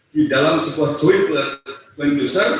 di dalam sebuah joint user